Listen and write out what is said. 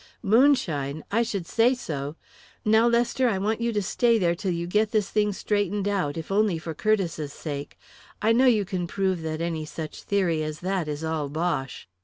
"Moonshine! I should say so! Now, Lester, I want you to stay there till you get this thing straightened out, if only for Curtiss's sake. I know you can prove that any such theory as that is all bosh."